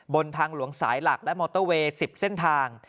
บนทางหลวงสายหลักและมอเตอร์เวย์๑๐เส้นทาง